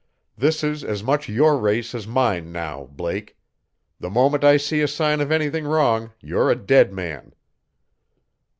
This is as much your race as mine now, Blake. The moment I see a sign of anything wrong you're a dead man!"